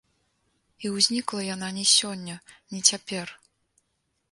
І ўзнікла яна не сёння, не цяпер.